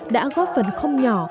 đã góp phần không nhỏ